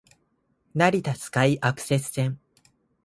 成田スカイアクセス線